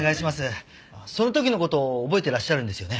その時の事を覚えてらっしゃるんですよね？